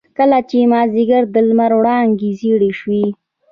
کله چې مازيګر د لمر وړانګې زيړې شوې.